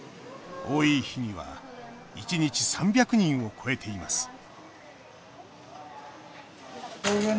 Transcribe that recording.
多い日には１日３００人を超えています